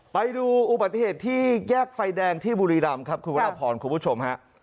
ไปดูอุบัติเหตุที่แยกไฟแดงที่บุรีรำครับคุณวรพรคุณผู้ชมฮะ